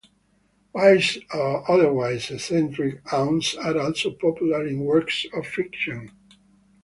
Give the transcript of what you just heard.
Wise or otherwise eccentric aunts are also popular in works of fiction.